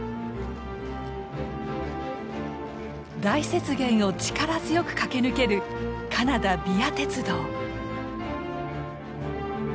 大雪原を力強く駆け抜けるカナダ・ＶＩＡ鉄道。